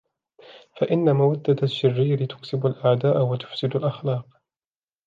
فَإِنَّ مَوَدَّةَ الشِّرِّيرِ تُكْسِبُ الْأَعْدَاءَ وَتُفْسِدُ الْأَخْلَاقَ